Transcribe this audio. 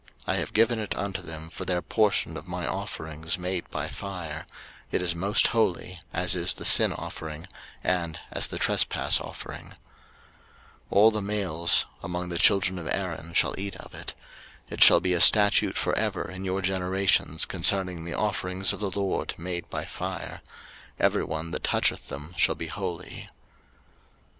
I have given it unto them for their portion of my offerings made by fire; it is most holy, as is the sin offering, and as the trespass offering. 03:006:018 All the males among the children of Aaron shall eat of it. It shall be a statute for ever in your generations concerning the offerings of the LORD made by fire: every one that toucheth them shall be holy.